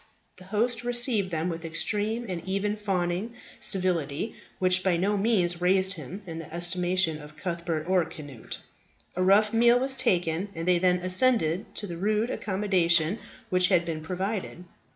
The host received them with extreme and even fawning civility, which by no means raised him in the estimation of Cuthbert or Cnut. A rough meal was taken, and they then ascended to the rude accommodation which had been provided.